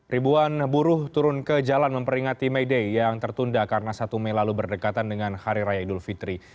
ribuan buruh turun ke jalan memperingati may day yang tertunda karena satu mei lalu berdekatan dengan hari raya idul fitri